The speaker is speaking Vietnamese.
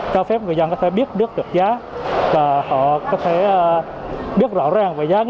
cho phép người dân có thể biết được được giá và họ có thể biết rõ ràng về giá từ đầu